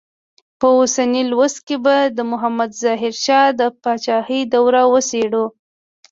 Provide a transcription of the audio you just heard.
په اوسني لوست کې به د محمد ظاهر شاه د پاچاهۍ دوره وڅېړو.